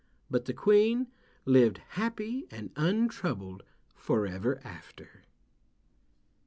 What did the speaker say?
But the Queen lived happy and untroubled forever after.